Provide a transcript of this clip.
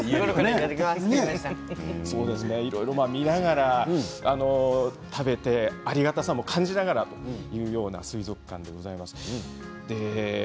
いろいろ見ながら食べてありがたさも感じながらというような水族館でございます。